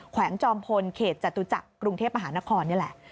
วงจอมพลเขตจตุจักรกรุงเทพมหานครนี่แหละ